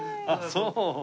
あっそう。